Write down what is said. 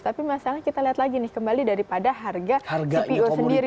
tapi masalah kita lihat lagi nih kembali daripada harga cpo sendiri